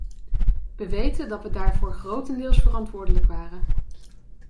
Wij weten dat we daarvoor grotendeels verantwoordelijk waren.